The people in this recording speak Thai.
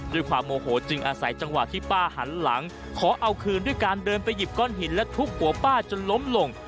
ด้วยความโมโหจึงอาศัยจังหวะที่ป้าหันหลังขอเอาคืนด้วยการเดินไปหยิบก้อนหินและทุบหัวป้าจนล้มลง